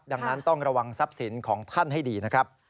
ดังนั้นต้องระวังทรัพย์สินของท่านให้ดีนะครับ